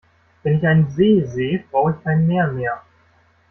Wenn ich einen See seh brauch ich kein Meer mehr.